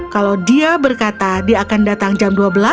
kalau dia berkata dia akan datang jam dua belas